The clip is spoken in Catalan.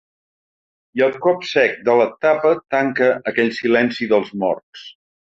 I el cop sec de la tapa tanca aquell silenci dels morts.